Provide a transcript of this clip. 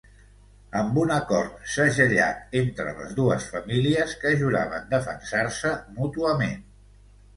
Amb un acord segellat entre les dues famílies, que juraven defensar-se mútuament.